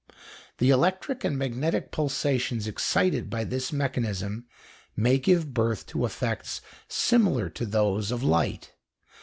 The electric and magnetic pulsations excited by this mechanism may give birth to effects similar to those of light.